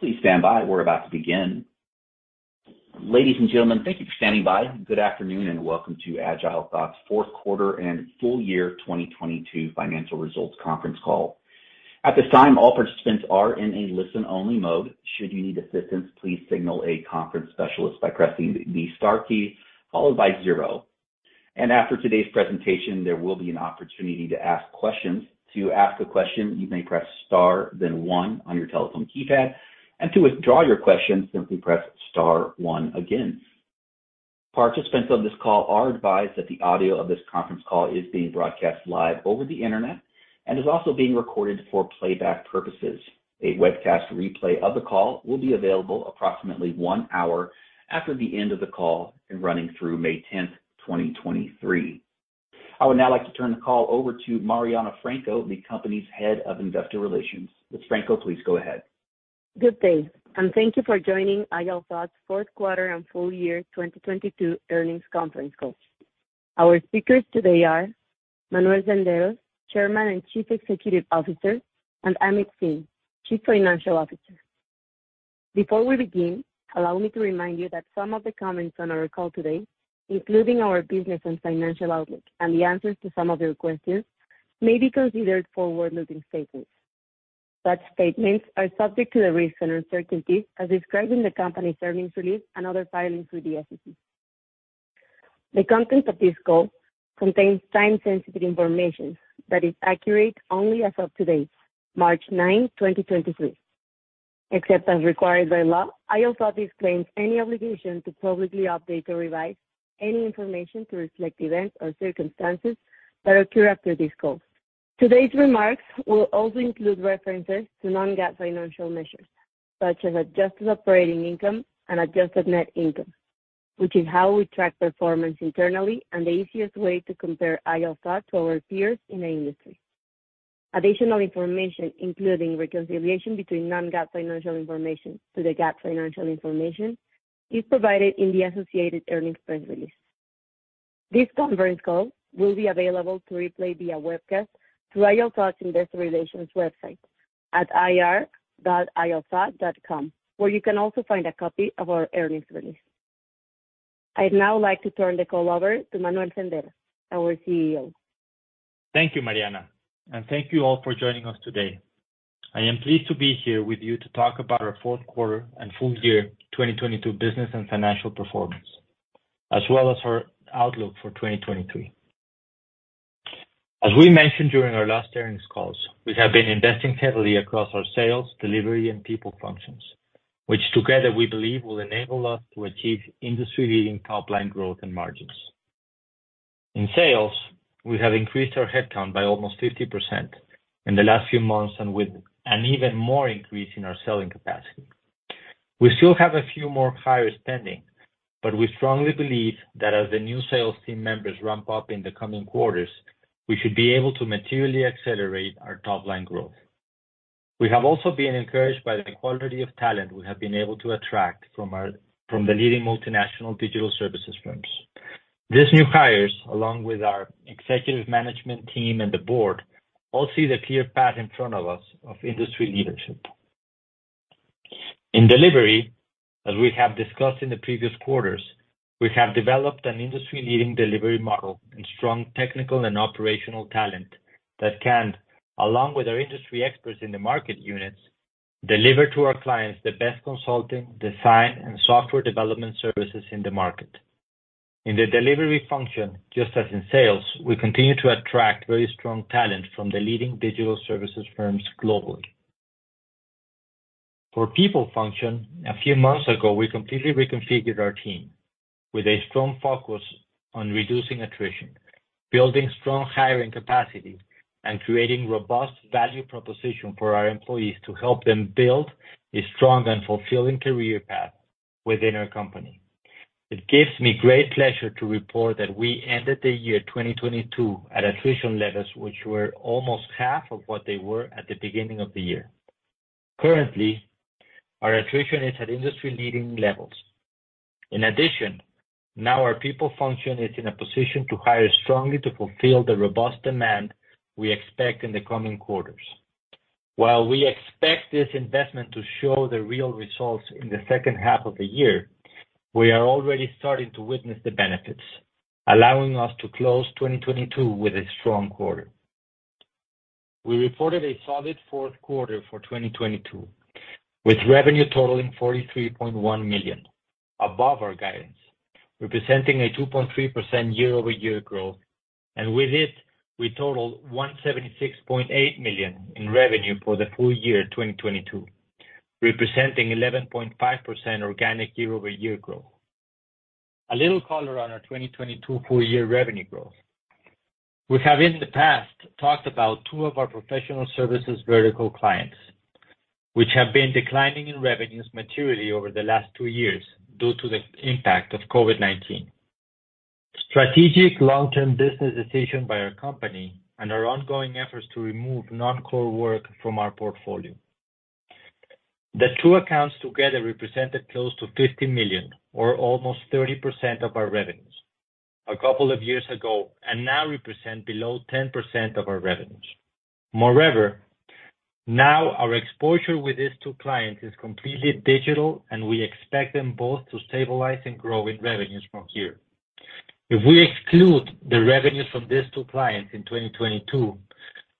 Please stand by. We're about to begin. Ladies and gentlemen, thank you for standing by. Good afternoon, and welcome to AgileThought's fourth quarter and full year 2022 financial results conference call. At this time, all participants are in a listen-only mode. Should you need assistance, please signal a conference specialist by pressing the star key followed by zero. After today's presentation, there will be an opportunity to ask questions. To ask a question, you may press star then one on your telephone keypad. To withdraw your question, simply press star one again. Participants of this call are advised that the audio of this conference call is being broadcast live over the Internet and is also being recorded for playback purposes. A webcast replay of the call will be available approximately one hour after the end of the call and running through May 10th, 2023. I would now like to turn the call over to Mariana Franco, the company's Head of Investor Relations. Ms. Franco, please go ahead. Good day, and thank you for joining AgileThought's fourth quarter and full year 2022 earnings conference call. Our speakers today are Manuel Senderos, Chairman and Chief Executive Officer, and Amit Singh, Chief Financial Officer. Before we begin, allow me to remind you that some of the comments on our call today, including our business and financial outlook and the answers to some of your questions, may be considered forward-looking statements. Such statements are subject to the risks and uncertainties as described in the company's earnings release and other filings with the SEC. The content of this call contains time-sensitive information that is accurate only as of today, March 9th, 2023. Except as required by law, AgileThought disclaims any obligation to publicly update or revise any information to reflect events or circumstances that occur after this call. Today's remarks will also include references to non-GAAP financial measures, such as adjusted operating income and adjusted net income, which is how we track performance internally and the easiest way to compare AgileThought to our peers in the industry. Additional information, including reconciliation between non-GAAP financial information to the GAAP financial information, is provided in the associated earnings press release. This conference call will be available to replay via webcast through AgileThought's investor relations website at ir.agilethought.com, where you can also find a copy of our earnings release. I'd now like to turn the call over to Manuel Senderos, our CEO. Thank you, Mariana, and thank you all for joining us today. I am pleased to be here with you to talk about our fourth quarter and full year 2022 business and financial performance, as well as our outlook for 2023. As we mentioned during our last earnings calls, we have been investing heavily across our sales, delivery, and people functions, which together we believe will enable us to achieve industry-leading top-line growth and margins. In sales, we have increased our headcount by almost 50% in the last few months, and with an even more increase in our selling capacity. We still have a few more hires pending, but we strongly believe that as the new sales team members ramp up in the coming quarters, we should be able to materially accelerate our top-line growth. We have also been encouraged by the quality of talent we have been able to attract from the leading multinational digital services firms. These new hires, along with our executive management team and the board, all see the clear path in front of us of industry leadership. In delivery, as we have discussed in the previous quarters, we have developed an industry-leading delivery model and strong technical and operational talent that can, along with our industry experts in the market units, deliver to our clients the best consulting, design, and software development services in the market. In the delivery function, just as in sales, we continue to attract very strong talent from the leading digital services firms globally. For people function, a few months ago, we completely reconfigured our team with a strong focus on reducing attrition, building strong hiring capacity, and creating robust value proposition for our employees to help them build a strong and fulfilling career path within our company. It gives me great pleasure to report that we ended the year 2022 at attrition levels, which were almost half of what they were at the beginning of the year. Currently, our attrition is at industry-leading levels. In addition, now our people function is in a position to hire strongly to fulfill the robust demand we expect in the coming quarters. While we expect this investment to show the real results in the second half of the year, we are already starting to witness the benefits, allowing us to close 2022 with a strong quarter. We reported a solid fourth quarter for 2022, with revenue totaling $43.1 million, above our guidance, representing a 2.3% year-over-year growth. With it, we totaled $176.8 million in revenue for the full year 2022, representing 11.5% organic year-over-year growth. A little color on our 2022 full year revenue growth. We have in the past talked about two of our professional services vertical clients, which have been declining in revenues materially over the last two years due to the impact of COVID-19. Strategic long-term business decision by our company and our ongoing efforts to remove non-core work from our portfolio. The two accounts together represented close to $50 million or almost 30% of our revenues a couple of years ago, and now represent below 10% of our revenues. Now our exposure with these two clients is completely digital, and we expect them both to stabilize and grow in revenues from here. If we exclude the revenues from these two clients in 2022,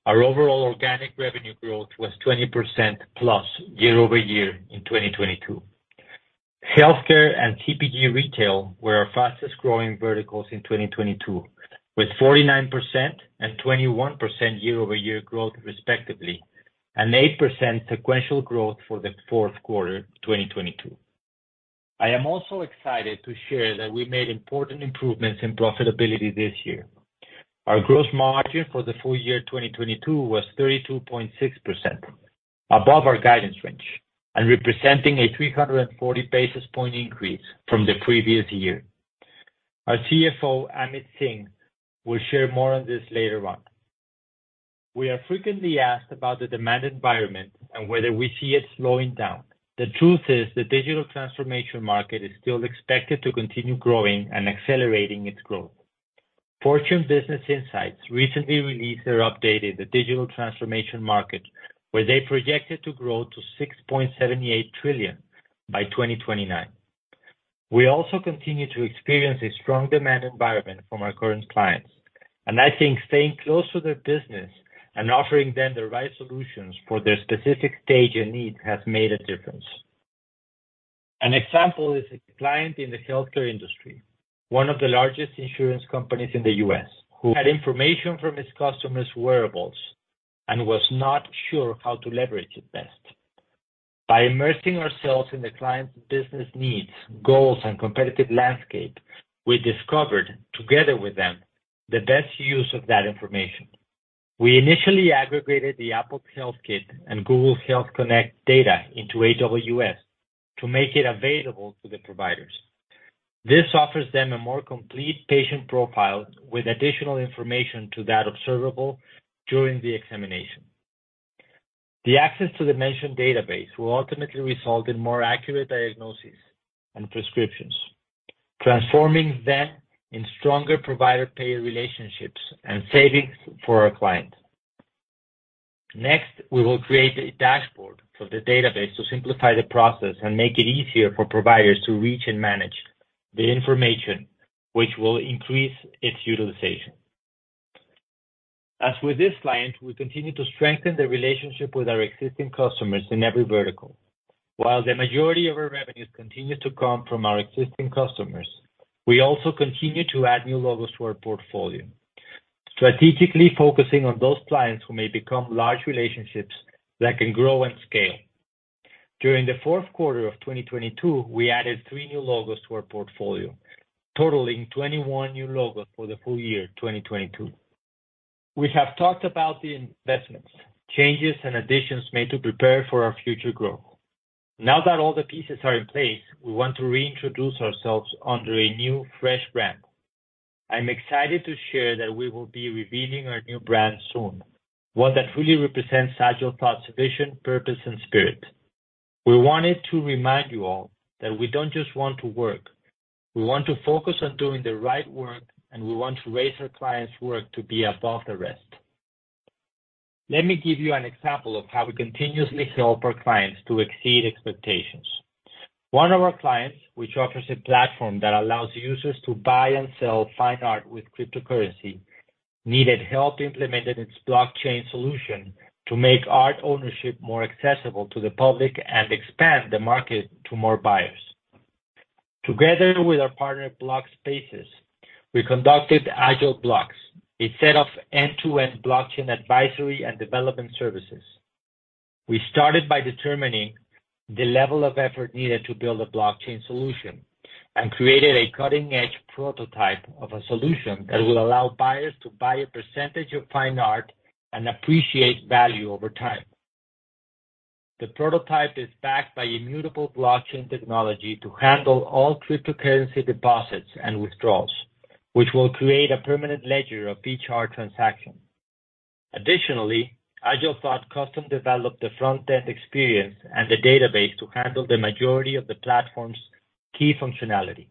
our overall organic revenue growth was 20%+ year-over-year in 2022. Healthcare and CPG retail were our fastest-growing verticals in 2022, with 49% and 21% year-over-year growth, respectively, and 8% sequential growth for the fourth quarter, 2022. I am also excited to share that we made important improvements in profitability this year. Our gross margin for the full year 2022 was 32.6%, above our guidance range and representing a 340 basis point increase from the previous year. Our CFO, Amit Singh, will share more on this later on. We are frequently asked about the demand environment and whether we see it slowing down. The truth is, the digital transformation market is still expected to continue growing and accelerating its growth. Fortune Business Insights recently released or updated the digital transformation market, where they projected to grow to $6.78 trillion by 2029. We also continue to experience a strong demand environment from our current clients. I think staying close to their business and offering them the right solutions for their specific stage and need has made a difference. An example is a client in the healthcare industry, one of the largest insurance companies in the US, who had information from its customers' wearables and was not sure how to leverage it best. By immersing ourselves in the client's business needs, goals, and competitive landscape, we discovered together with them the best use of that information. We initially aggregated the HealthKit and Health Connect data into AWS to make it available to the providers. This offers them a more complete patient profile with additional information to that observable during the examination. The access to the mentioned database will ultimately result in more accurate diagnoses and prescriptions, transforming them in stronger provider-payer relationships and savings for our client. Next, we will create a dashboard for the database to simplify the process and make it easier for providers to reach and manage the information which will increase its utilization. As with this client, we continue to strengthen the relationship with our existing customers in every vertical. While the majority of our revenues continue to come from our existing customers, we also continue to add new logos to our portfolio, strategically focusing on those clients who may become large relationships that can grow and scale. During the fourth quarter of 2022, we added three new logos to our portfolio, totaling 21 new logos for the full year 2022. We have talked about the investments, changes, and additions made to prepare for our future growth. Now that all the pieces are in place, we want to reintroduce ourselves under a new fresh brand. I'm excited to share that we will be revealing our new brand soon, one that fully represents AgileThought's vision, purpose, and spirit. We wanted to remind you all that we don't just want to work. We want to focus on doing the right work, and we want to raise our clients' work to be above the rest. Let me give you an example of how we continuously help our clients to exceed expectations. One of our clients, which offers a platform that allows users to buy and sell fine art with cryptocurrency, needed help implementing its blockchain solution to make art ownership more accessible to the public and expand the market to more buyers. Together with our partner, BlockSpaces, we conducted Agile Blocks, a set of end-to-end blockchain advisory and development services. We started by determining the level of effort needed to build a blockchain solution and created a cutting-edge prototype of a solution that will allow buyers to buy a percentage of fine art and appreciate value over time. The prototype is backed by immutable blockchain technology to handle all cryptocurrency deposits and withdrawals, which will create a permanent ledger of each art transaction. Additionally, AgileThought custom developed the front desk experience and the database to handle the majority of the platform's key functionality,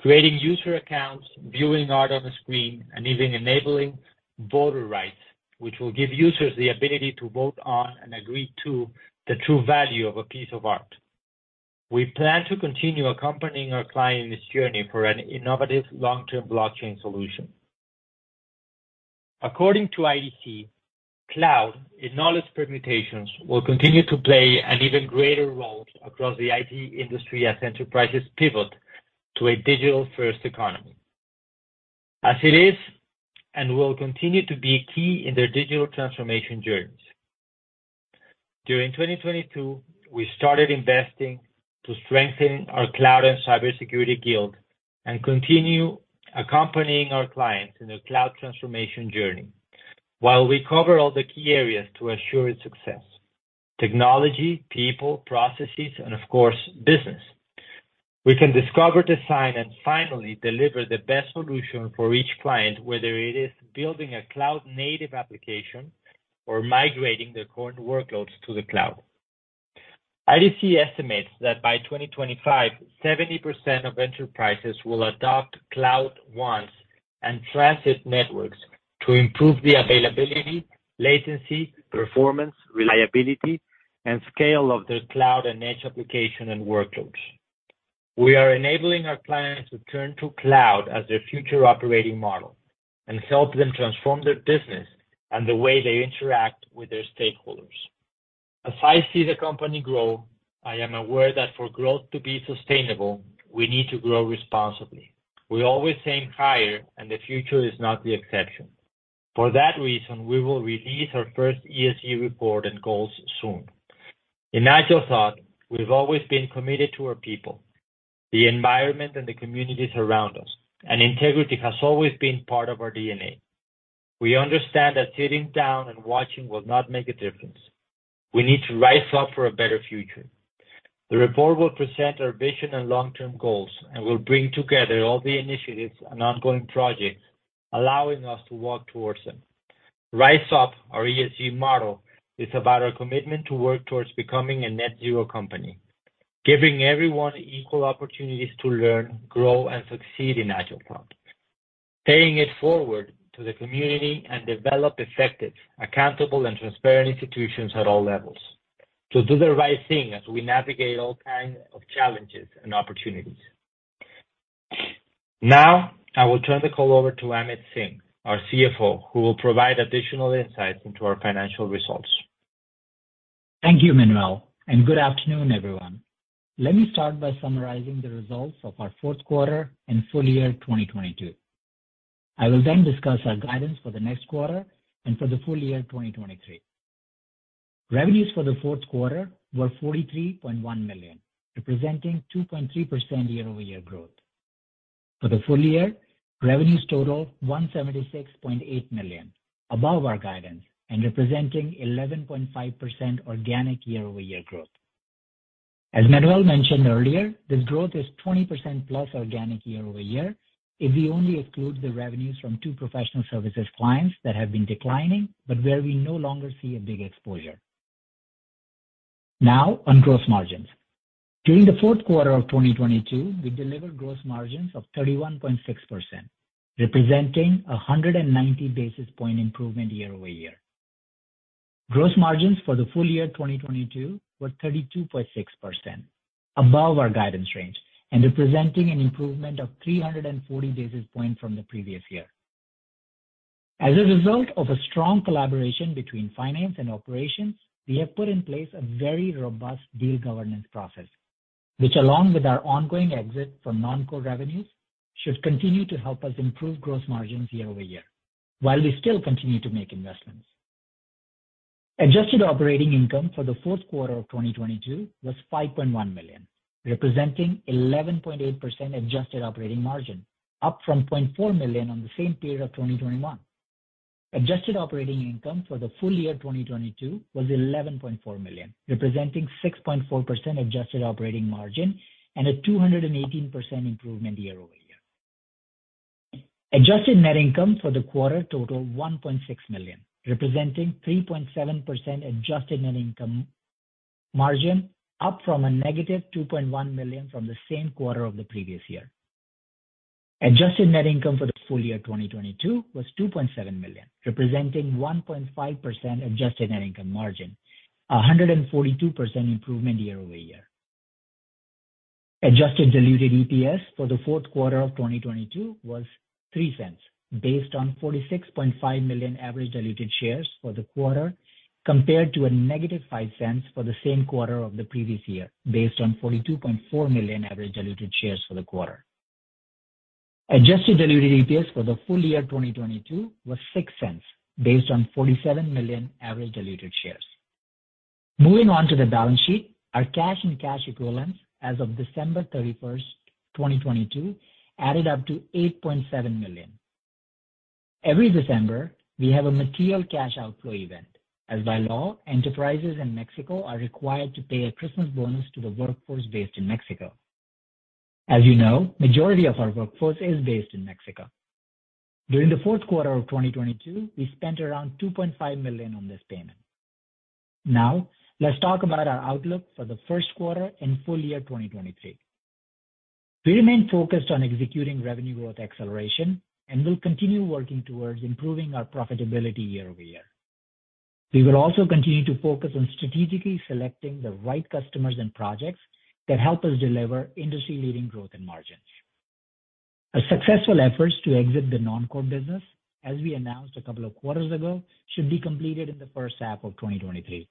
creating user accounts, viewing art on the screen, and even enabling voter rights, which will give users the ability to vote on and agree to the true value of a piece of art. We plan to continue accompanying our client in this journey for an innovative long-term blockchain solution. According to IDC, cloud, in all its permutations, will continue to play an even greater role across the IT industry as enterprises pivot to a digital-first economy, as it is and will continue to be key in their digital transformation journeys. During 2022, we started investing to strengthen our cloud and cybersecurity guild and continue accompanying our clients in their cloud transformation journey while we cover all the key areas to assure its success: technology, people, processes, and of course, business. We can discover, design, and finally deliver the best solution for each client, whether it is building a cloud-native application or migrating their current workloads to the cloud. IDC estimates that by 2025, 70% of enterprises will adopt cloud WANs and transit networks to improve the availability, latency, performance, reliability, and scale of their cloud and edge application and workloads. We are enabling our clients to turn to cloud as their future operating model and help them transform their business and the way they interact with their stakeholders. As I see the company grow, I am aware that for growth to be sustainable, we need to grow responsibly. We always aim higher. The future is not the exception. For that reason, we will release our first ESG report and goals soon. In AgileThought, we've always been committed to our people, the environment, and the communities around us, and integrity has always been part of our DNA. We understand that sitting down and watching will not make a difference. We need to rise up for a better future. The report will present our vision and long-term goals and will bring together all the initiatives and ongoing projects, allowing us to work towards them. Rise Up, our ESG model, is about our commitment to work towards becoming a net zero company, giving everyone equal opportunities to learn, grow, and succeed in AgileThought, paying it forward to the community and develop effective, accountable, and transparent institutions at all levels to do the right thing as we navigate all kinds of challenges and opportunities. Now, I will turn the call over to Amit Singh, our CFO, who will provide additional insights into our financial results. Thank you, Manuel. Good afternoon, everyone. Let me start by summarizing the results of our fourth quarter and full year 2022. I will discuss our guidance for the next quarter and for the full year 2023. Revenues for the fourth quarter were $43.1 million, representing 2.3% year-over-year growth. For the full year, revenues totaled $176.8 million, above our guidance and representing 11.5% organic year-over-year growth. As Manuel mentioned earlier, this growth is 20%+ organic year-over-year if we only exclude the revenues from two professional services clients that have been declining, but where we no longer see a big exposure. On gross margins. During the fourth quarter of 2022, we delivered gross margins of 31.6%, representing 190 basis point improvement year-over-year. Gross margins for the full year 2022 were 32.6%, above our guidance range and representing an improvement of 340 basis points from the previous year. As a result of a strong collaboration between finance and operations, we have put in place a very robust deal governance process, which, along with our ongoing exit from non-core revenues, should continue to help us improve gross margins year-over-year while we still continue to make investments. Adjusted operating income for the fourth quarter of 2022 was $5.1 million, representing 11.8% adjusted operating margin, up from $0.4 million on the same period of 2021. Adjusted operating income for the full year 2022 was $11.4 million, representing 6.4% adjusted operating margin and a 218% improvement year-over-year. Adjusted net income for the quarter totaled $1.6 million, representing 3.7% adjusted net income margin, up from a negative $2.1 million from the same quarter of the previous year. Adjusted net income for the full year 2022 was $2.7 million, representing 1.5% adjusted net income margin, a 142% improvement year-over-year. Adjusted diluted EPS for the fourth quarter of 2022 was $0.03 based on 46.5 million average diluted shares for the quarter, compared to a negative $0.05 for the same quarter of the previous year, based on 42.4 million average diluted shares for the quarter. Adjusted diluted EPS for the full year 2022 was $0.06 based on 47 million average diluted shares. Moving on to the balance sheet. Our cash and cash equivalents as of December 31st, 2022 added up to $8.7 million. Every December, we have a material cash outflow event, as by law, enterprises in Mexico are required to pay a Christmas bonus to the workforce based in Mexico. As you know, majority of our workforce is based in Mexico. During the 4th quarter of 2022, we spent around $2.5 million on this payment. Let's talk about our outlook for the 1st quarter and full year 2023. We remain focused on executing revenue growth acceleration and will continue working towards improving our profitability year-over-year. We will also continue to focus on strategically selecting the right customers and projects that help us deliver industry-leading growth and margins. Our successful efforts to exit the non-core business, as we announced a couple of quarters ago, should be completed in the first half of 2023,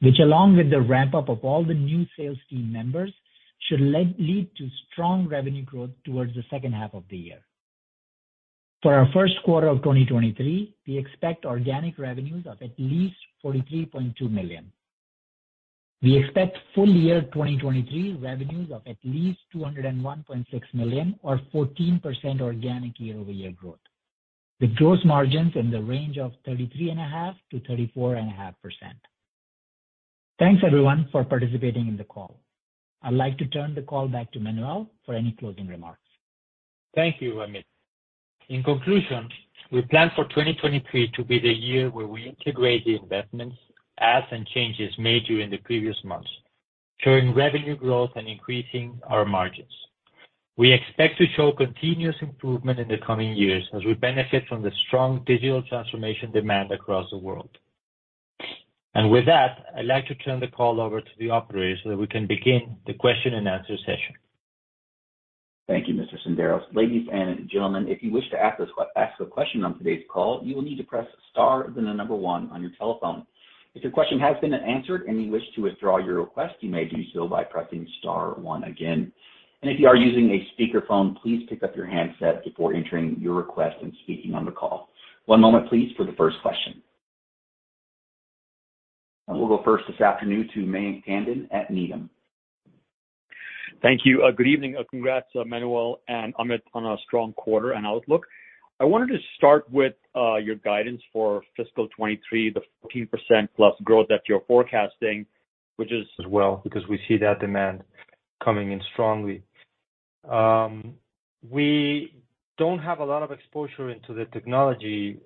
which, along with the ramp-up of all the new sales team members, should lead to strong revenue growth towards the second half of the year. For our first quarter of 2023, we expect organic revenues of at least $43.2 million. We expect full year 2023 revenues of at least $201.6 million or 14% organic year-over-year growth. With gross margins in the range of 33.5%-34.5%. Thanks everyone for participating in the call. I'd like to turn the call back to Manuel for any closing remarks. Thank you, Amit. In conclusion, we plan for 2023 to be the year where we integrate the investments, adds, and changes made during the previous months, ensuring revenue growth and increasing our margins. We expect to show continuous improvement in the coming years as we benefit from the strong digital transformation demand across the world. With that, I'd like to turn the call over to the operator, so that we can begin the question-and-answer session. Thank you, Mr. Senderos. Ladies and gentlemen, if you wish to ask a question on today's call, you will need to press star, then the number one on your telephone. If your question has been answered and you wish to withdraw your request, you may do so by pressing star one again. If you are using a speakerphone, please pick up your handset before entering your request and speaking on the call. One moment please for the first question. We'll go first this afternoon to Mayank Tandon at Needham. Thank you. Good evening. Congrats, Manuel and Amit, on a strong quarter and outlook. I wanted to start with your guidance for fiscal 2023, the 14%+ growth that you're forecasting, which is- Well, because we see that demand coming in strongly. We don't have a lot of exposure into the technology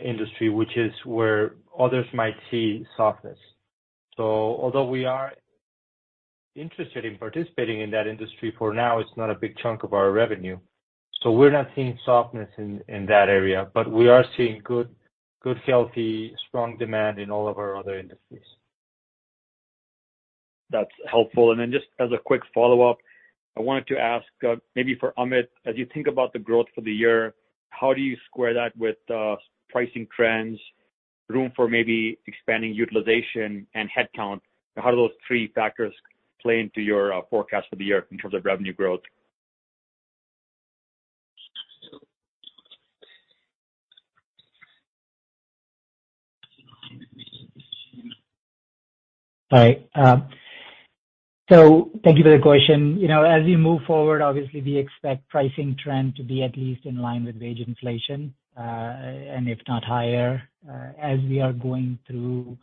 industry, which is where others might see softness. Although we are interested in participating in that industry, for now, it's not a big chunk of our revenue. We're not seeing softness in that area, but we are seeing good healthy, strong demand in all of our other industries. That's helpful. Just as a quick follow-up, I wanted to ask, maybe for Amit, as you think about the growth for the year, how do you square that with pricing trends, room for maybe expanding utilization and headcount? How do those three factors play into your forecast for the year in terms of revenue growth? All right. Thank you for the question. You know, as we move forward, obviously, we expect pricing trend to be at least in line with wage inflation, and if not higher, as we are going through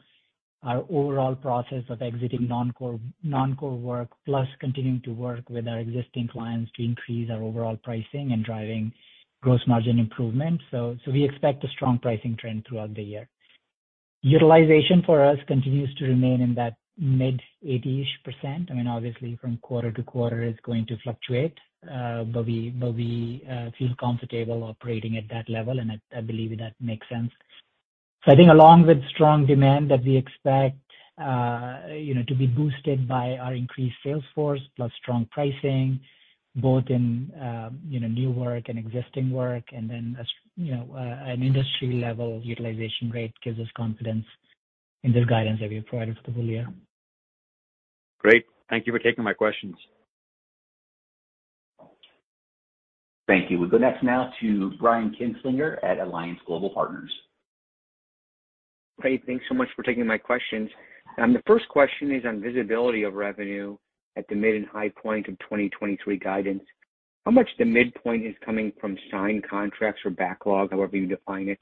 our overall process of exiting non-core work, plus continuing to work with our existing clients to increase our overall pricing and driving gross margin improvement. We expect a strong pricing trend throughout the year. Utilization for us continues to remain in that mid-80-ish%. I mean, obviously from quarter-to-quarter, it's going to fluctuate, but we feel comfortable operating at that level, and I believe that makes sense. I think along with strong demand that we expect, you know, to be boosted by our increased sales force plus strong pricing, both in, you know, new work and existing work, and then as, you know, an industry level utilization rate gives us confidence in the guidance that we provided for the full year. Great. Thank you for taking my questions. Thank you. We go next now to Brian Kinstlinger at Alliance Global Partners. Hey, thanks so much for taking my questions. The first question is on visibility of revenue at the mid and high point of 2023 guidance. How much the midpoint is coming from signed contracts or backlog, however you define it?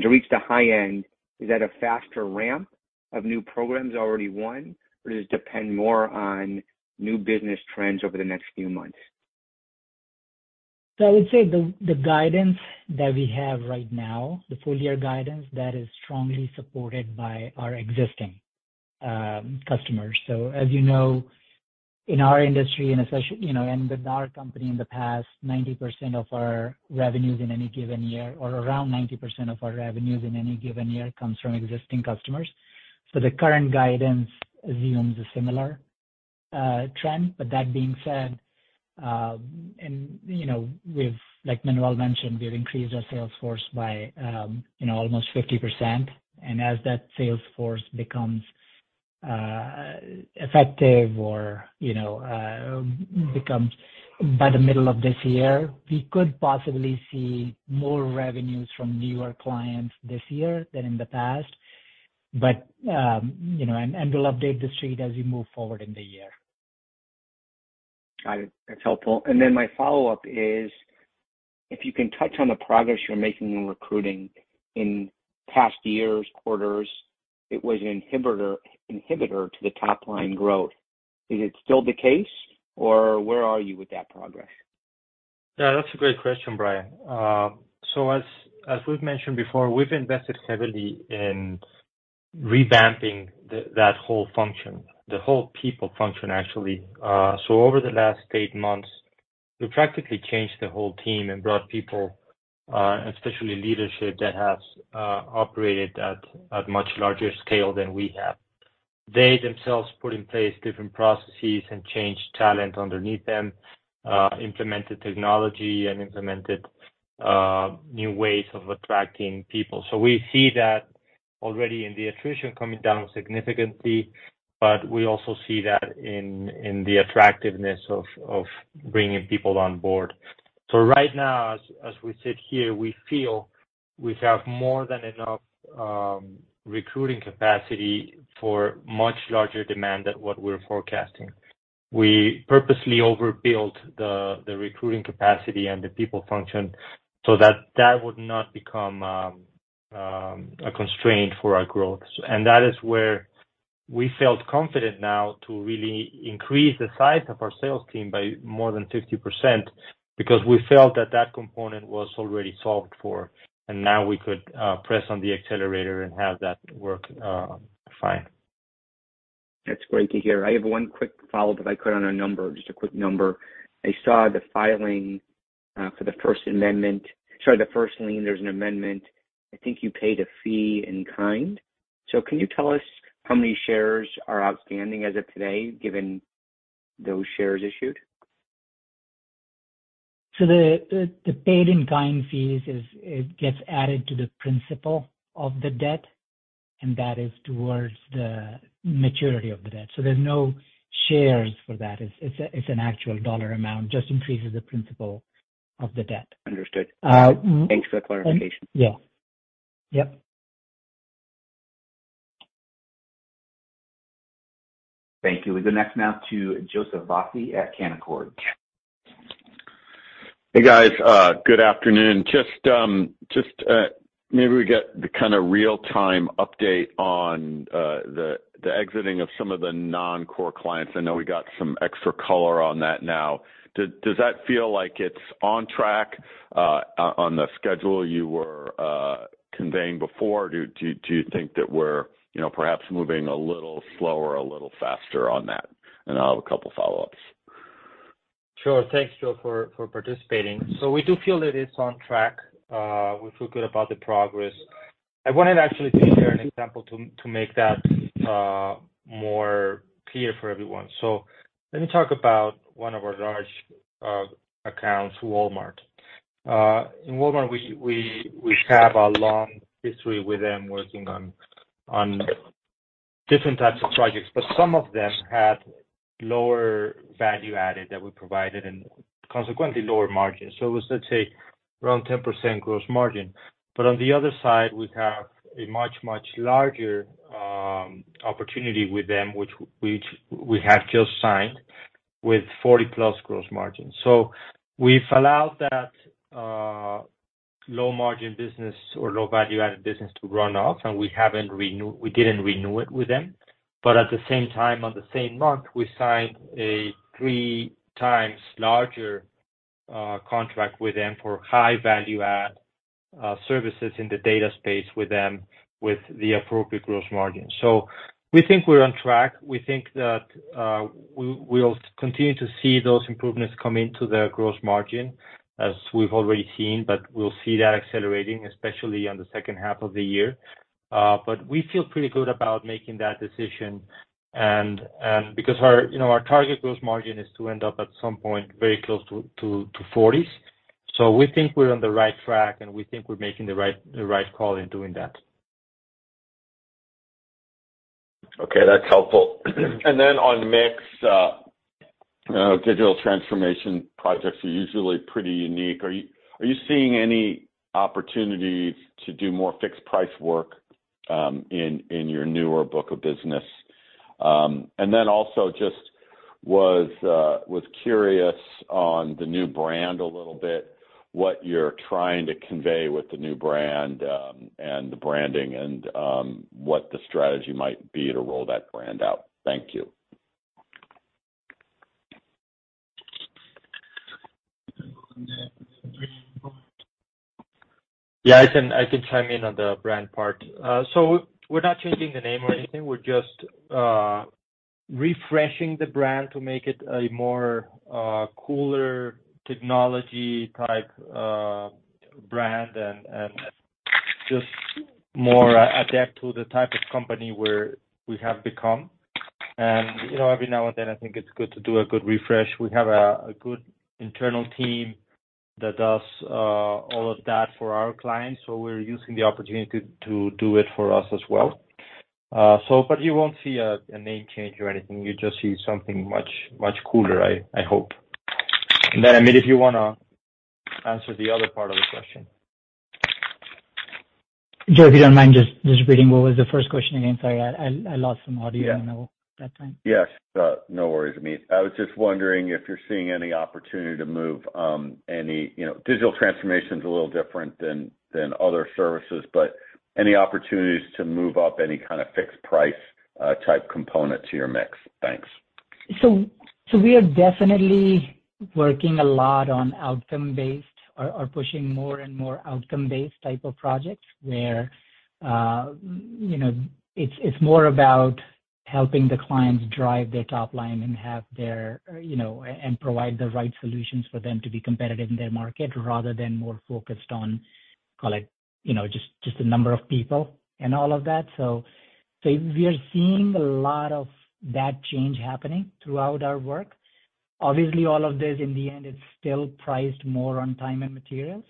To reach the high end, is that a faster ramp of new programs already won, or does it depend more on new business trends over the next few months? I would say the guidance that we have right now, the full-year guidance, that is strongly supported by our existing customers. As you know, in our industry and you know, and with our company in the past, 90% of our revenues in any given year or around 90% of our revenues in any given year comes from existing customers. The current guidance assumes a similar trend. That being said, and, you know, we've, like Manuel mentioned, we've increased our sales force by, you know, almost 50%. As that sales force becomes effective or, you know, becomes by the middle of this year, we could possibly see more revenues from newer clients this year than in the past. You know, and we'll update the street as we move forward in the year. Got it. That's helpful. My follow-up is, if you can touch on the progress you're making in recruiting in past years, quarters, it was an inhibitor to the top line growth. Is it still the case, or where are you with that progress? Yeah, that's a great question, Brian. As we've mentioned before, we've invested heavily in revamping that whole function, the whole people function, actually. Over the last eight months, we practically changed the whole team and brought people, especially leadership that has operated at much larger scale than we have. They themselves put in place different processes and changed talent underneath them, implemented technology and implemented new ways of attracting people. We see that already in the attrition coming down significantly, we also see that in the attractiveness of bringing people on board. Right now, as we sit here, we feel we have more than enough recruiting capacity for much larger demand than what we're forecasting. We purposely overbuilt the recruiting capacity and the people function so that that would not become a constraint for our growth. That is where we felt confident now to really increase the size of our sales team by more than 50% because we felt that that component was already solved for, and now we could press on the accelerator and have that work fine. That's great to hear. I have one quick follow-up if I could on a number, just a quick number. I saw the filing, for the first amendment. Sorry, the first lien, there's an amendment. I think you paid a fee in kind. Can you tell us how many shares are outstanding as of today, given those shares issued? The paid in kind fees, it gets added to the principal of the debt, and that is towards the maturity of the debt. There's no shares for that. It's a actual dollar amount, just increases the principal of the debt. Understood. Uh. Thanks for the clarification. Yeah. Yep. Thank you. The next now to Joseph Vafi at Canaccord. Hey, guys. good afternoon. Just, just, maybe we get the kinda real-time update on the exiting of some of the non-core clients. I know we got some extra color on that now. Does that feel like it's on track on the schedule you were conveying before? Do you think that we're, you know, perhaps moving a little slower, a little faster on that? I'll have a couple follow-ups. Sure. Thanks, Joe, for participating. We do feel that it's on track. We feel good about the progress. I wanted actually to share an example to make that more clear for everyone. Let me talk about one of our large accounts, Walmart. In Walmart, we have a long history with them working on different types of projects, but some of them had lower value added that we provided and consequently lower margins. It was, let's say, around 10% gross margin. On the other side, we have a much larger opportunity with them, which we have just signed with 40%+ gross margin. We've allowed that low margin business or low value-added business to run off, and we didn't renew it with them. At the same time, on the same month, we signed a three times larger contract with them for high value-add services in the data space with them with the appropriate gross margin. We think we're on track. We think that we'll continue to see those improvements come into the gross margin as we've already seen, but we'll see that accelerating, especially on the second half of the year. We feel pretty good about making that decision and because our, you know, our target gross margin is to end up at some point very close to 40s. We think we're on the right track, and we think we're making the right call in doing that. Okay, that's helpful. On mix, you know, digital transformation projects are usually pretty unique. Are you seeing any opportunities to do more fixed price work, in your newer book of business? Also just was curious on the new brand a little bit, what you're trying to convey with the new brand, and the branding and what the strategy might be to roll that brand out? Thank you. Yeah, I can chime in on the brand part. We're not changing the name or anything. We're just refreshing the brand to make it a more cooler technology type brand and just more adapt to the type of company where we have become. You know, every now and then, I think it's good to do a good refresh. We have a good internal team that does all of that for our clients, so we're using the opportunity to do it for us as well. But you won't see a name change or anything. You just see something much, much cooler, I hope. Amit, if you wanna answer the other part of the question. Joe, if you don't mind just repeating what was the first question again. Sorry, I lost some audio. Yeah. you know, that time. Yes. No worries, Amit. I was just wondering if you're seeing any opportunity to move, any, you know... Digital transformation's a little different than other services, but any opportunities to move up any kinda fixed price type component to your mix? Thanks. We are definitely working a lot on outcome-based or pushing more and more outcome-based type of projects where, you know, it's more about helping the clients drive their top line and have their, you know, and provide the right solutions for them to be competitive in their market rather than more focused on, call it, you know, just a number of people and all of that. We are seeing a lot of that change happening throughout our work. Obviously, all of this in the end is still priced more on time and materials.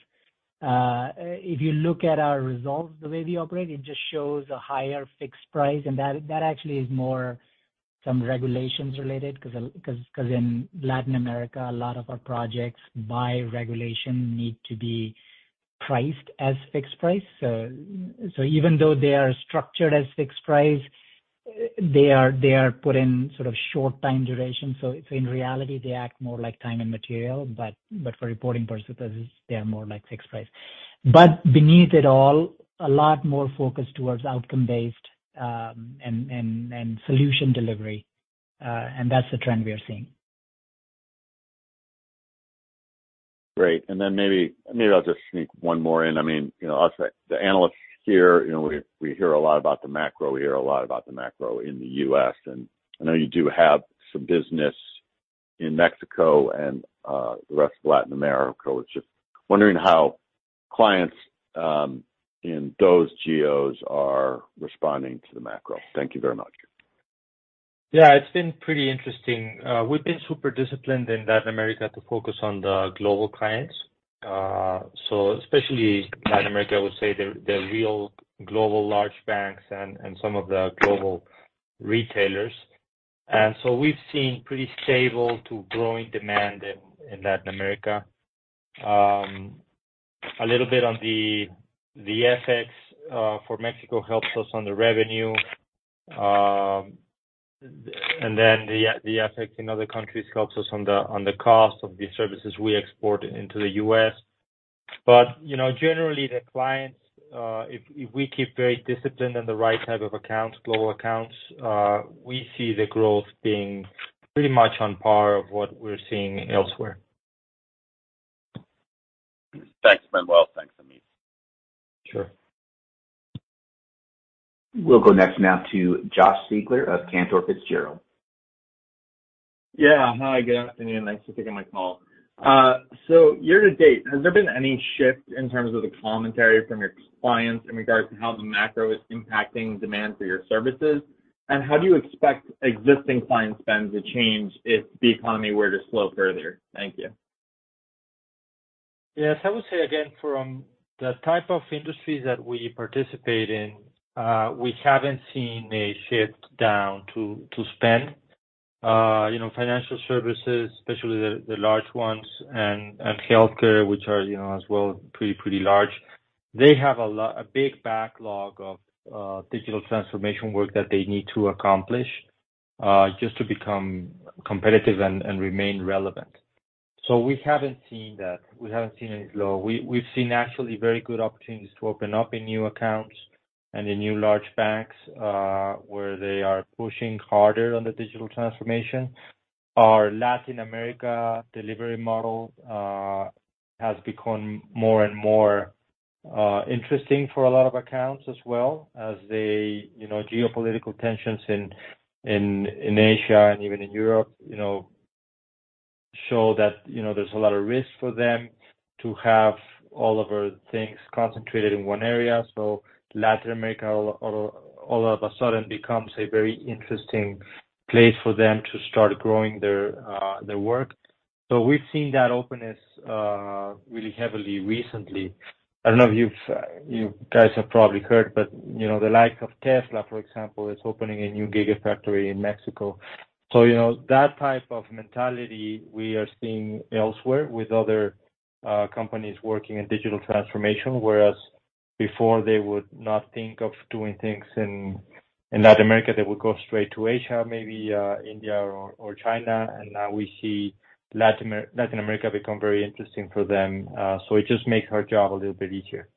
If you look at our results the way we operate, it just shows a higher fixed price, and that actually is more some regulations related 'cause in Latin America, a lot of our projects by regulation need to be priced as fixed price. Even though they are structured as fixed price, they are put in sort of short time duration. In reality, they act more like time and material, but for reporting purposes, they are more like fixed price. Beneath it all, a lot more focused towards outcome based and solution delivery. That's the trend we are seeing. Great. Maybe I'll just sneak one more in. I mean, you know, us, the analysts here, you know, we hear a lot about the macro. We hear a lot about the macro in the US I know you do have some business in Mexico and the rest of Latin America. I was just wondering how clients in those geos are responding to the macro. Thank you very much. Yeah. It's been pretty interesting. We've been super disciplined in Latin America to focus on the global clients. Especially Latin America, I would say the real global large banks and some of the global retailers. We've seen pretty stable to growing demand in Latin America. A little bit on the FX for Mexico helps us on the revenue. Then the FX in other countries helps us on the, on the cost of the services we export into the US. You know, generally the clients, if we keep very disciplined in the right type of accounts, global accounts, we see the growth being pretty much on par of what we're seeing elsewhere. Thanks, Manuel. Thanks, Amit. Sure. We'll go next now to Josh Siegler of Cantor Fitzgerald. Yeah. Hi, good afternoon. Thanks for taking my call. Year to date, has there been any shift in terms of the commentary from your clients in regards to how the macro is impacting demand for your services? How do you expect existing client spend to change if the economy were to slow further? Thank you. Yes. I would say again from the type of industries that we participate in, we haven't seen a shift down to spend. you know, financial services, especially the large ones and healthcare, which are, you know, as well, pretty large. They have a big backlog of digital transformation work that they need to accomplish just to become competitive and remain relevant. We haven't seen that. We haven't seen any slow. We've seen actually very good opportunities to open up in new accounts and in new large banks where they are pushing harder on the digital transformation. Our Latin America delivery model has become more and more interesting for a lot of accounts as well as the, you know, geopolitical tensions in Asia and even in Europe, you know, show that, you know, there's a lot of risk for them to have all of our things concentrated in one area. Latin America all of a sudden becomes a very interesting place for them to start growing their work. We've seen that openness really heavily recently. I don't know you guys have probably heard, but you know, the likes of Tesla, for example, is opening a new Gigafactory in Mexico. That type of mentality we are seeing elsewhere with other companies working in digital transformation, whereas before they would not think of doing things in Latin America. They would go straight to Asia, maybe, India or China. Now we see Latin America become very interesting for them. It just makes our job a little bit easier.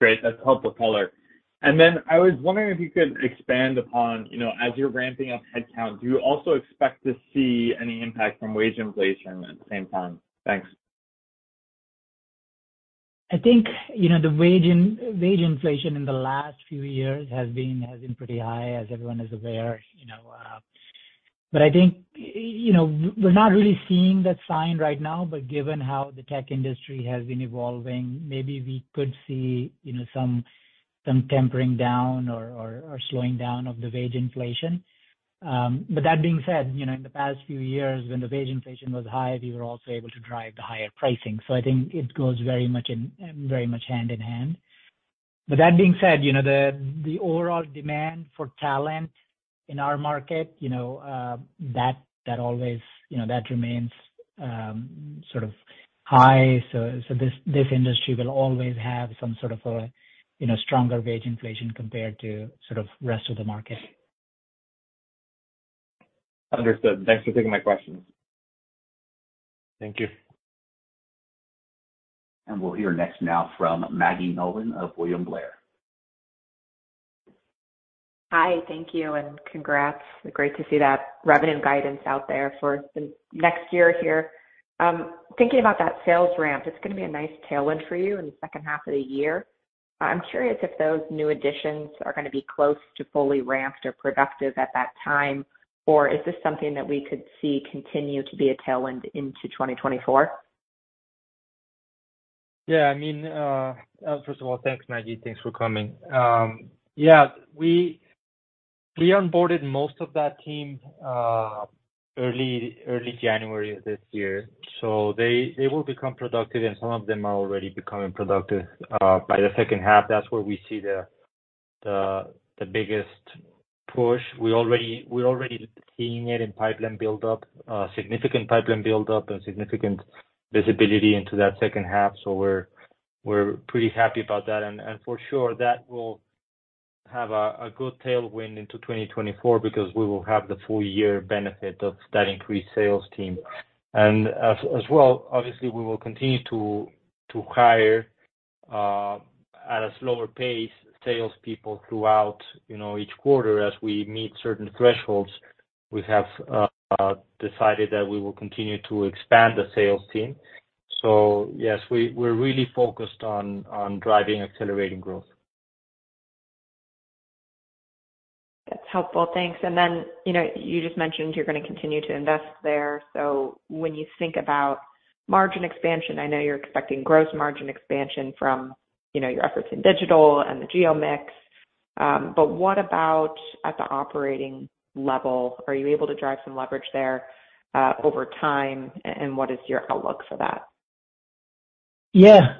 Great. That's helpful color. I was wondering if you could expand upon, you know, as you're ramping up headcount, do you also expect to see any impact from wage inflation at the same time? Thanks. I think, you know, the wage inflation in the last few years has been pretty high, as everyone is aware, you know. I think, you know, we're not really seeing that sign right now, but given how the tech industry has been evolving, maybe we could see, you know, some tempering down or slowing down of the wage inflation. That being said, you know, in the past few years when the wage inflation was high, we were also able to drive the higher pricing. I think it goes very much hand in hand. That being said, you know, the overall demand for talent in our market, you know, that always, you know, that remains, sort of high. This industry will always have some sort of a, you know, stronger wage inflation compared to sort of rest of the market. Understood. Thanks for taking my questions. Thank you. We'll hear next now from Maggie Nolan of William Blair. Hi. Thank you and congrats. Great to see that revenue guidance out there for the next year here. Thinking about that sales ramp, it's gonna be a nice tailwind for you in the second half of the year. I'm curious if those new additions are gonna be close to fully ramped or productive at that time. Is this something that we could see continue to be a tailwind into 2024? Yeah. I mean, first of all, thanks, Maggie. Thanks for coming. Yeah, we onboarded most of that team early January of this year. They will become productive, and some of them are already becoming productive by the second half. That's where we see the biggest push. We're already seeing it in pipeline build up, significant pipeline build up and significant visibility into that second half. We're pretty happy about that. For sure that will have a good tailwind into 2024 because we will have the full year benefit of that increased sales team. As well, obviously, we will continue to hire at a slower pace, sales people throughout, you know, each quarter as we meet certain thresholds. We have decided that we will continue to expand the sales team. Yes, we're really focused on driving accelerating growth. That's helpful. Thanks. You know, you just mentioned you're gonna continue to invest there. When you think about margin expansion, I know you're expecting gross margin expansion from, you know, your efforts in digital and the geo mix. What about at the operating level? Are you able to drive some leverage there over time? What is your outlook for that?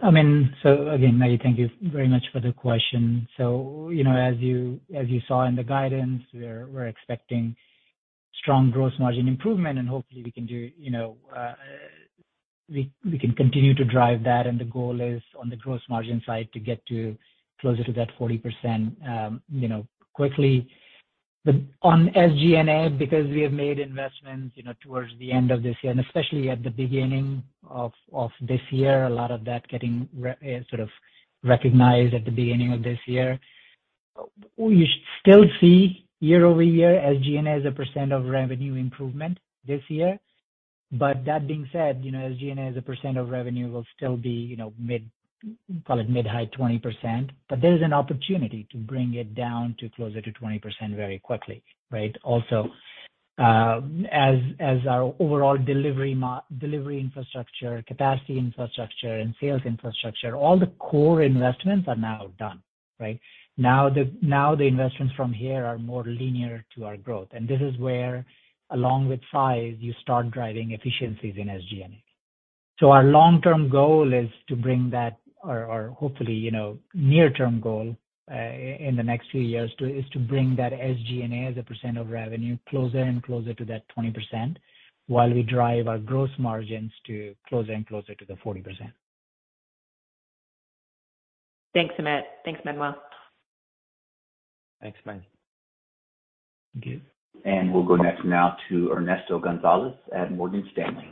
I mean, Maggie, thank you very much for the question. You know, as you saw in the guidance, we're expecting strong gross margin improvement, and hopefully we can do, you know, we can continue to drive that, and the goal is on the gross margin side to get to closer to that 40%, you know, quickly. On SG&A, because we have made investments, you know, towards the end of this year, and especially at the beginning of this year, a lot of that getting sort of recognized at the beginning of this year. We still see year-over-year SG&A as a percentage of revenue improvement this year. That being said, you know, SG&A as a percent of revenue will still be, you know, mid, call it mid high 20%, there is an opportunity to bring it down to closer to 20% very quickly, right? Also, as our overall delivery infrastructure, capacity infrastructure and sales infrastructure, all the core investments are now done, right? Now the investments from here are more linear to our growth. This is where along with size, you start driving efficiencies in SG&A. Our long-term goal is to bring that or hopefully, you know, near term goal, in the next few years is to bring that SG&A as a percent of revenue closer and closer to that 20% while we drive our gross margins to closer and closer to the 40%. Thanks, Amit. Thanks, Manuel. Thanks, Maggie. Thank you. We'll go next now to Ernesto Gonzalez at Morgan Stanley.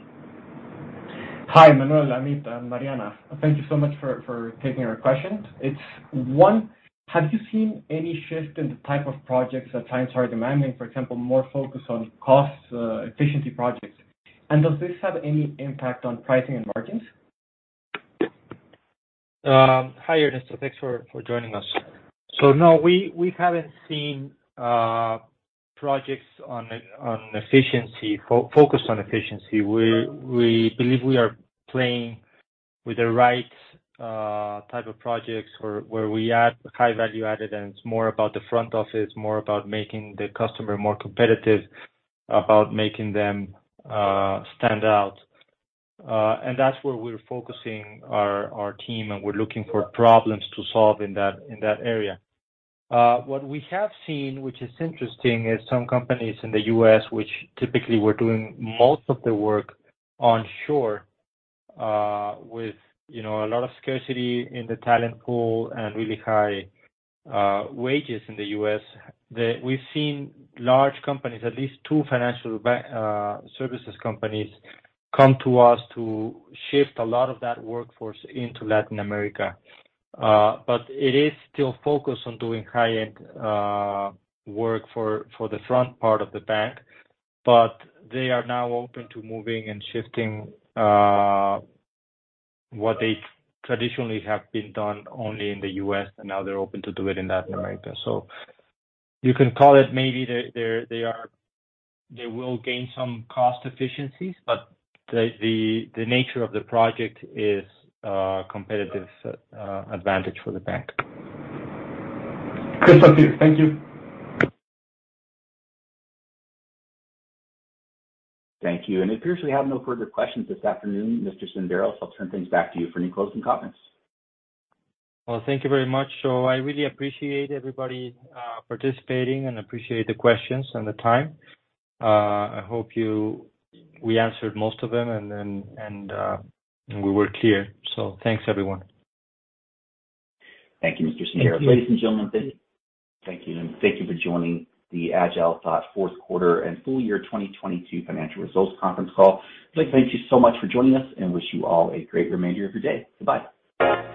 Hi, Manuel, Amit, and Mariana. Thank you so much for taking our questions. It's, one, have you seen any shift in the type of projects that clients are demanding, for example, more focus on costs, efficiency projects, and does this have any impact on pricing and margins? Hi, Ernesto. Thanks for joining us. No, we haven't seen projects on efficiency focused on efficiency. We believe we are playing with the right type of projects where we add high value added, and it's more about the front office, more about making the customer more competitive, about making them stand out. That's where we're focusing our team, and we're looking for problems to solve in that area. What we have seen, which is interesting, is some companies in the US, which typically were doing most of the work onshore, with, you know, a lot of scarcity in the talent pool and really high wages in the US, we've seen large companies, at least two financial services companies, come to us to shift a lot of that workforce into Latin America. It is still focused on doing high-end work for the front part of the bank. They are now open to moving and shifting what they traditionally have been done only in the US, and now they're open to do it in Latin America. You can call it maybe they will gain some cost efficiencies, but the nature of the project is competitive advantage for the bank. Great. Thank you. Thank you. It appears we have no further questions this afternoon, Mr. Senderos, so I'll turn things back to you for any closing comments. Well, thank you very much. I really appreciate everybody participating and appreciate the questions and the time. I hope we answered most of them and we were clear. Thanks, everyone. Thank you, Mr. Sendero. Thanks. Ladies and gentlemen, thank you. Thank you for joining the AgileThought fourth quarter and full year 2022 financial results conference call. Like to thank you so much for joining us and wish you all a great remainder of your day. Goodbye.